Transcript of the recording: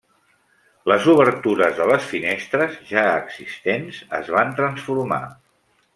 Les obertures de les finestres ja existents, es van transformar.